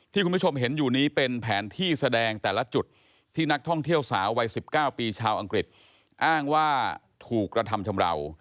คุณผู้ชมเห็นอยู่นี้เป็นแผนที่แสดงแต่ละจุดที่นักท่องเที่ยวสาววัย๑๙ปีชาวอังกฤษอ้างว่าถูกกระทำชำราว